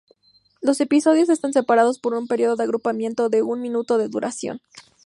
Los episodios están separados por un período de agrupamiento de un minuto en duración.